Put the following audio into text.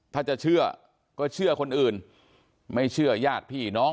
ถ้าจะเชื่อก็เชื่อคนอื่นไม่เชื่อญาติพี่น้อง